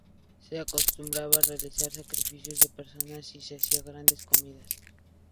Se acostumbraba realizar sacrificios de personas y se hacían grandes comidas.